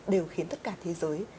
đều khiến tất cả thế giới